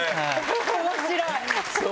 面白い。